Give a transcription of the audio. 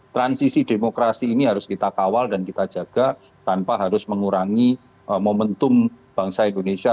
transisi demokrasi ini harus kita kawal dan kita jaga tanpa harus mengurangi momentum bangsa indonesia